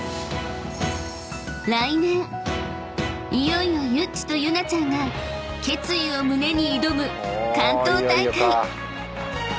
［来年いよいよユッチとユナちゃんが決意を胸に挑む関東大会］